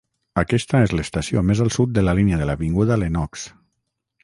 Aquesta és l'estació més al sud de la línia de l'avinguda Lenox.